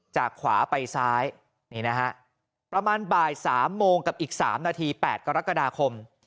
จากขวาไปซ้ายนี่นะฮะประมาณบ่าย๓โมงกับอีก๓นาที๘กรกฎาคม